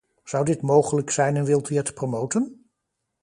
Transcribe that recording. Zou dit mogelijk zijn en wilt u het promoten?